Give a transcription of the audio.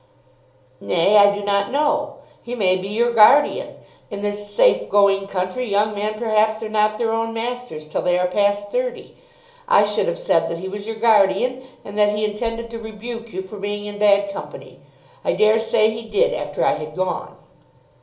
"Nay, I do not know. He may be your guardian. In this safe going country young men perhaps are not their own masters till they are past thirty. I should have said that he was your guardian, and that he intended to rebuke you for being in bad company. I dare say he did after I had gone."